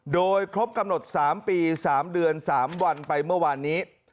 โดยครบกำหนด๓ปี๓เดือน๓วันไปเมื่อวานนี้